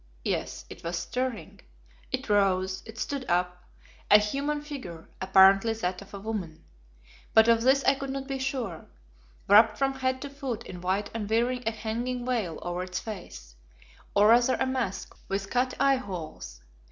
Yes, it was stirring. It rose, it stood up, a human figure, apparently that of a woman but of this I could not be sure wrapped from head to foot in white and wearing a hanging veil over its face, or rather a mask with cut eye holes.